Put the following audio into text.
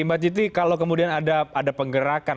mbak titi kalau kemudian ada penggerakan